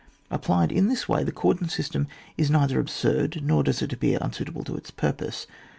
Applied in this way the cordon system is neither absurd nor does it appear unsuitable to its purpose.